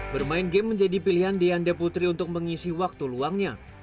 bermain game menjadi pilihan deanda putri untuk mengisi waktu luangnya